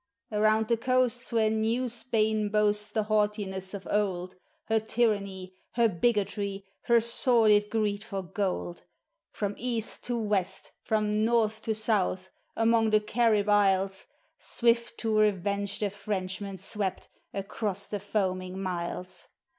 Around the coasts where New Spain boasts the haughtiness of Old, Her tyranny, her bigotry, her sordid greed for gold, From east to west, from north to south, among the Carib Isles, Swift to revenge the Frenchman swept across the foaming miles.